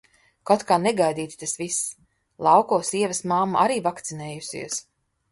Kaut kā negaidīti tas viss! Laukos Ievas mamma arī vakcinējusies.